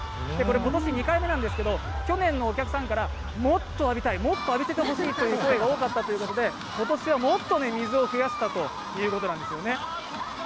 今年２回目なんですけれども、去年のお客さんからもっと浴びたい、もっと浴びせて欲しいという声が多かったということで今年は、もっと水を増やしたということなんですよね。